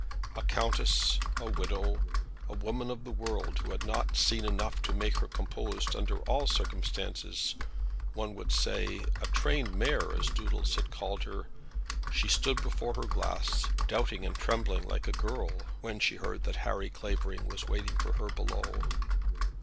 A countess, a widow, a woman of the world who had seen enough to make her composed under all circumstances, one would say, a trained mare as Doodles had called her, she stood before her glass doubting and trembling like a girl, when she heard that Harry Clavering was waiting for her below.